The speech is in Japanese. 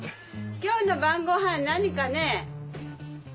今日の晩ご飯何かね。